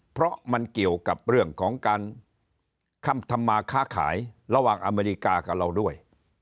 เพราะมันเกี่ยวกับเรื่องของการคำทำมาค้าขายระหว่างอเมริกากับเราด้วย